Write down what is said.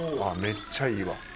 ああめっちゃいいわ。